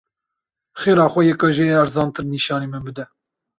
Xêra xwe, yeka jê ezantir nîşanî min bide.